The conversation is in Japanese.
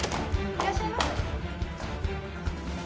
いらっしゃいませ。